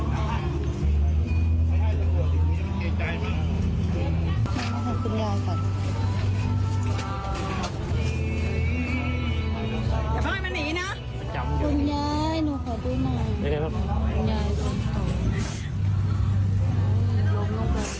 สวัสดีครับทุกคน